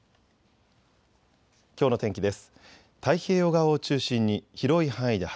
きょうの天気です。